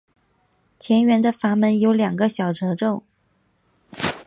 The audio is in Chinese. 前缘的阀门有两个小皱褶。